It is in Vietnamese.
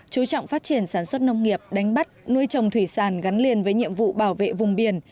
chú trọng phát triển sản xuất nông nghiệp đánh bắt nuôi trồng thủy sản gắn liền với nhiệm vụ bảo vệ vùng biển